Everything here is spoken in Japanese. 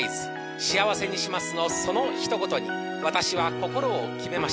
「幸せにします」のそのひと言に私は心を決めました。